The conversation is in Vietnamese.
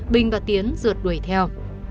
minh và nam đi xe mô tô chở đuổi theo